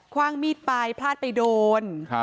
ว่างมีดไปพลาดไปโดน